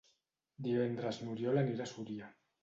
Divendres n'Oriol anirà a Súria.